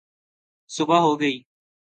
صبح ہو گئی